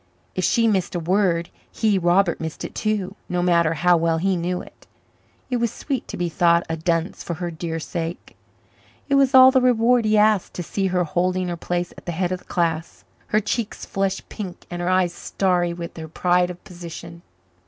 If she missed a word, he, Robert, missed it too, no matter how well he knew it. It was sweet to be thought a dunce for her dear sake. It was all the reward he asked to see her holding her place at the head of the class, her cheeks flushed pink and her eyes starry with her pride of position.